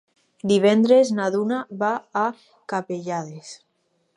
Divendres na Duna va a Capellades.